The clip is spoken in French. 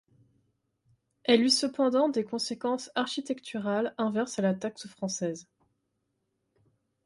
Elle eut cependant des conséquences architecturales inverses à la taxe française.